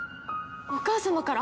お母様から？